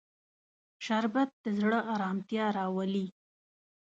شربت د زړه ارامتیا راولي